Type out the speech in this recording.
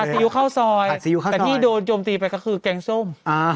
ซีอิ๊วข้าวซอยแต่ที่โดนโจมตีไปก็คือแกงส้ม